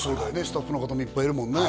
スタッフの方もいっぱいいるもんね